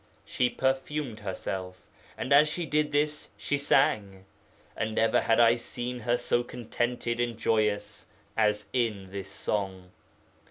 She perfumed herself, and as she did this she sang, and never had I seen her so contented and joyous as in this song.